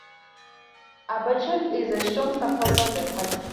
Abarchuk is a strong supporter of the party.